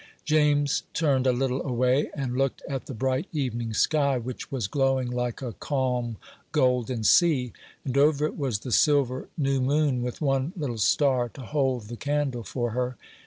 James turned a little away, and looked at the bright evening sky, which was glowing like a calm, golden sea; and over it was the silver new moon, with one little star to hold the candle for her.